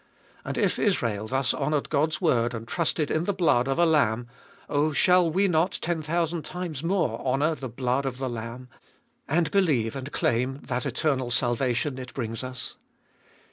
And if Israel thus honoured God's word and trusted in the blood of a lamb — oh, shall we not ten thousand times more honour the blood of the Lamb, and believe and claim that eternal salvation it brings us.